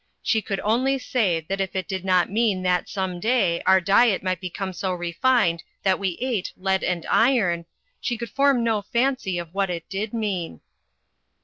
She could only say that if it did not mean that some day our diet might become so refined that we ate lead and iron, she could form no fancy of what it did mean.